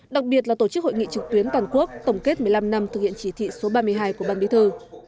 đặc biệt là tổ chức hội nghị trực tuyến toàn quốc tổng kết một mươi năm năm thực hiện chỉ thị số ba mươi hai của ban bí thư